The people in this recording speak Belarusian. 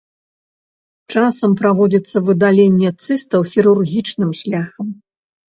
Часам праводзіцца выдаленне цыстаў хірургічным шляхам.